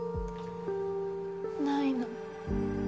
ないの。